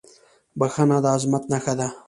• بښنه د عظمت نښه ده.